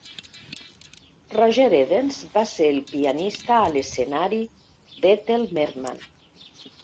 Roger Edens va ser el pianista a l'escenari d'Ethel Merman.